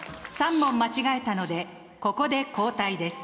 ３問間違えたのでここで交代です。